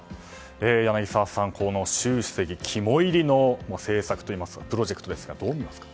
柳澤さん、この習主席肝煎りの政策といいますかプロジェクトですがどう見ますか？